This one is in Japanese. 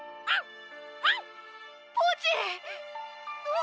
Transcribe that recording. あっ！